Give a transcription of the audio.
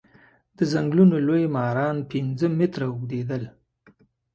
د ځنګلونو لوی ماران پنځه متره اوږديدل.